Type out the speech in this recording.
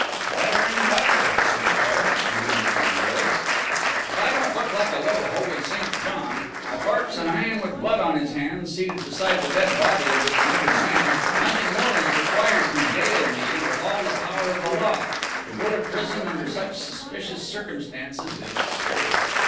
"Better and better I declare!" murmured Fandor. "If I don't look like a little holy Saint John! A corpse, and a man with blood on his hands seated beside the dead body of this murdered man! Nothing more is required to jail me with all the power of the law!... To go to prison under such suspicious circumstances is serious!...